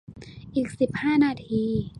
อีกสิบห้านาที